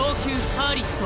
ハーリット。